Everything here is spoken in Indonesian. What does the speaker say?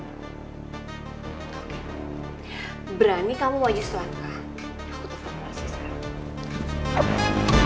berani kamu wajib selamatkan aku telfon polisi sekarang